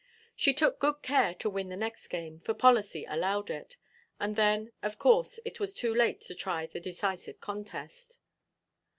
She took good care to win the next game, for policy allowed it; and then, of course, it was too late to try the decisive contest.